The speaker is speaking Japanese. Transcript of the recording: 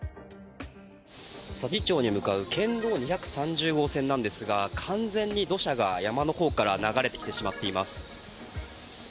佐治町に向かう県道２３０号線なんですが完全に土砂が山のほうから流れてきてしまっています。